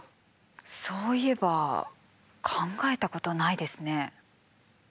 そういえば考えたことないですね。